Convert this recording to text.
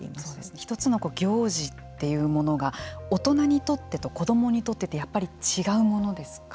一つの行事というものが大人にとってと子どもにとってって違うものですか。